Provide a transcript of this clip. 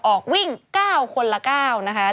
ออกวิ่ง๙คนละ๙นะคะ